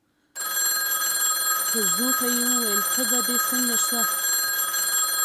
په زوټه يې وويل: تبه دې څنګه شوه؟